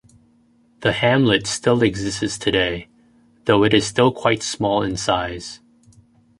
The hamlet still exists today, though it is still quite small in size.